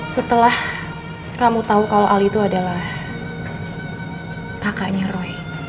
setelah kamu tau kalau al itu adalah kakaknya roy